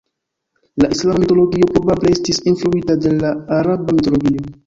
La islama mitologio probable estis influita de la araba mitologio.